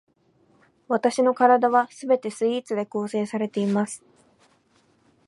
わたしの身体は全てスイーツで構成されています